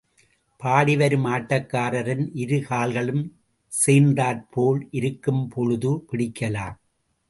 பாடி வரும் ஆட்டக்காரரின் இரு கால்களும் சேர்ந்தாற்போல் இருக்கும்பொழுது பிடிக்கலாம்.